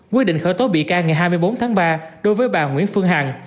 quyết định khởi tố bị can ngày hai mươi bốn tháng ba đối với bà nguyễn phương hằng